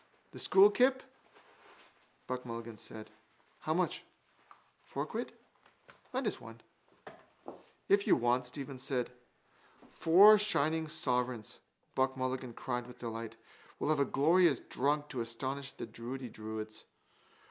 —The school kip? Buck Mulligan said. How much? Four quid? Lend us one. —If you want it, Stephen said. —Four shining sovereigns, Buck Mulligan cried with delight. We'll have a glorious drunk to astonish the druidy druids.